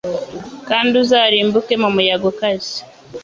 Kandi uzarimbuke mu muyaga ukaze